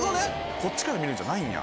こっちから見るんじゃないんや。